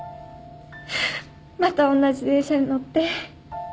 またおんなじ電車に乗って。